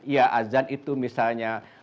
ya azan itu misalnya